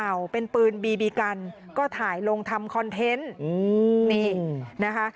เอาเป็นปืนบีบีกันก็ถ่ายลงทำคอนเทนต์อืมนี่นะคะ